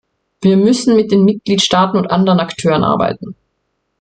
Wir müssen mit den Mitgliedstaaten und anderen Akteuren arbeiten.